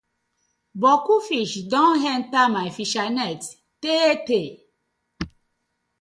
Boku fish been don enter my fishernet tey tey.